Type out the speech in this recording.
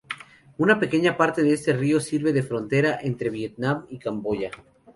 Una pequeña parte de este río sirve de frontera entre Vietnam y Camboya.